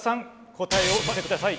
答えをお開けください。